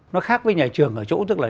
nó khác với nhà trường ở chỗ tức là